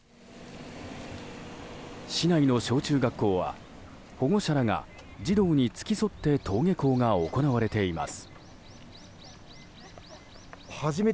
市内の小中学校は、保護者らが児童に付き添って登下校が行われています。